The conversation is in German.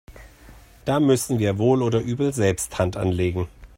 Da müssen wir wohl oder übel selbst Hand anlegen.